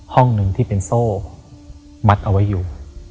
ห้องหนึ่งที่เป็นโซ่มัดเอาไว้อยู่